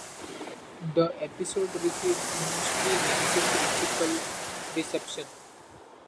The episode received mostly negative critical reception.